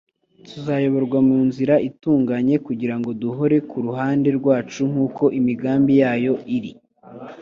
tuzayoborwa mu nzira itunganye kugira ngo duhore kuruhande rwacu nk’uko imigambi yayo iri.